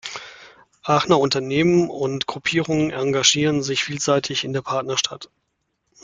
Aachener Unternehmen und Gruppierungen engagierten sich vielseitig in der Partnerstadt.